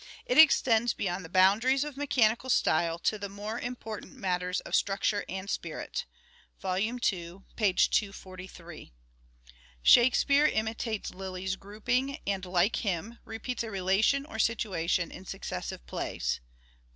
It extends beyond the boundaries of mechanical style to the more important matters of structure and spirit " (Vol. II. p. 243). " Shakespeare imitates Lyly's grouping and, like him, repeats a relation or situation in successive plays" (II.